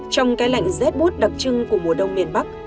trong cái lạnh z boot đặc trưng của mùa đông miền bắc